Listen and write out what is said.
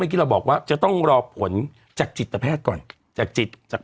ที่เราบอกว่าจะต้องรอผลจากจิตแพทย์ก่อนจากจิตจาก